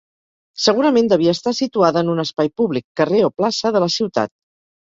Segurament devia estar situada en un espai públic, carrer o plaça, de la ciutat.